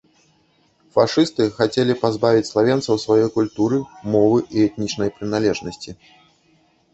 Фашысты хацелі пазбавіць славенцаў сваёй культуры, мовы і этнічнай прыналежнасці.